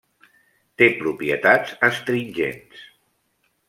Té propietats astringents.